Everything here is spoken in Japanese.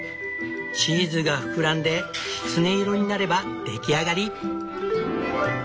チーズが膨らんできつね色になれば出来上がり！